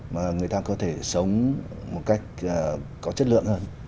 mà người ta có thể sống một cách có chất lượng hơn